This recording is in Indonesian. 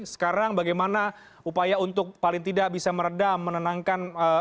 sekarang bagaimana upaya untuk paling tidak bisa meredam menenangkan